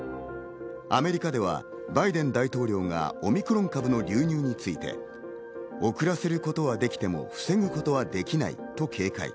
アメリカではバイデン大統領がオミクロン株の流入について、遅らせることはできても防ぐことはできないと警戒。